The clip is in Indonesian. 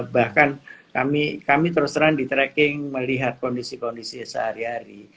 bahkan kami terus terang di tracking melihat kondisi kondisi sehari hari